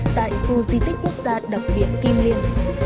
tại khu di tích quốc gia đặc biệt kim liên